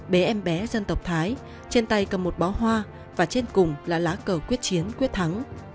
bé em bé dân tộc thái trên tay cầm một bó hoa và trên cùng là lá cờ quyết chiến quyết thắng